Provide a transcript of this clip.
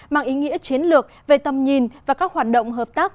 mang ý nghĩa chiến lược về tầm nhìn và các hoạt động hợp tác